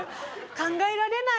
考えられない。